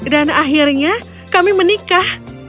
dan akhirnya kami menikah